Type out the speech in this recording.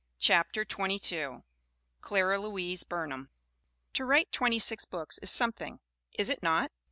CHAPTER XXII CLARA LOUISE BURNHAM TO write twenty six books is something, is it not?